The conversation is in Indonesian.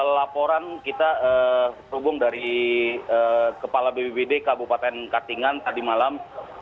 laporan kita terhubung dari kepala bbbd kabupaten katingan tadi malam